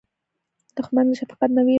دښمن له شفقت نه وېره لري